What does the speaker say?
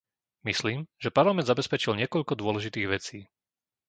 Myslím, že Parlament zabezpečil niekoľko dôležitých vecí.